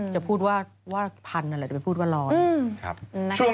จะพูดว่าพันอะไรแต่ไม่พูดว่าร้อน